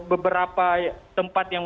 beberapa tempat yang